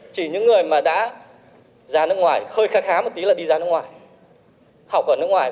chỉ những người mà đã ra nước ngoài hơi khắc há một tí là đi ra nước ngoài học ở nước ngoài